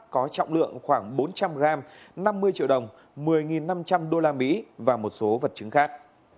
có trọng lượng khoảng bốn trăm linh gram năm mươi triệu đồng một mươi năm trăm linh usd và một số vật chứng khác